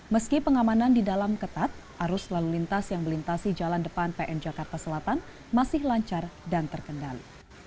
meski pengamanan di dalam ketat arus lalu lintas yang melintasi jalan depan pn jakarta selatan masih lancar dan terkendali